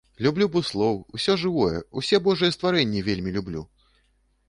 Люблю буслоў, усё жывое, усе божыя стварэнні вельмі люблю.